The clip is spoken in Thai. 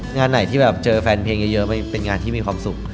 งานไหนที่แบบเจอแฟนเพลงเยอะเป็นงานที่มีความสุข